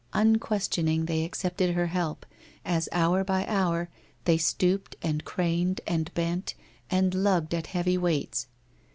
Unquestioning they accepted her help, as hour by hour, they stooped and craned and bent and lugged at heavy weights.